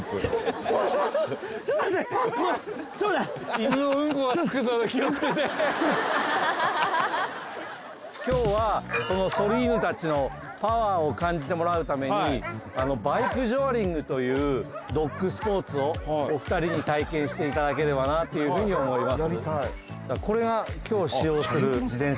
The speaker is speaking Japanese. ちょっ待って今日はそのそり犬達のパワーを感じてもらうためにバイクジョアリングというドッグスポーツをお二人に体験していただければなというふうに思います